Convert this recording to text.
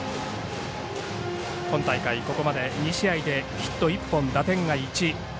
今大会、ここまで２試合でヒット１本、打点が１。